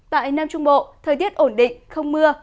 tại nam trung bộ thời tiết ổn định không mưa